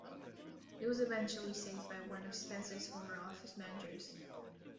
It was eventually saved by one of Spencer's former office managers.